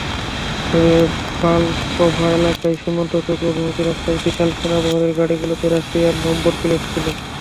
তবে বালাকভা এলাকায় সীমান্তচৌকি অভিমুখী রাস্তায় বিশাল সেনাবহরের গাড়িগুলোতে রাশিয়ার নম্বরপ্লেট ছিল।